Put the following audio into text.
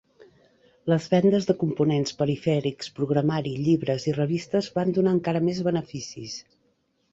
Les vendes de components perifèrics, programari, llibres i revistes van donar encara més beneficis.